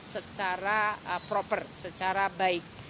secara proper secara baik